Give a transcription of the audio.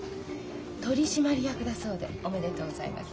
取締役だそうでおめでとうございます。